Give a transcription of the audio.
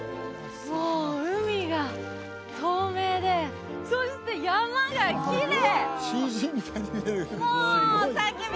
もう海が透明でそして山がきれい！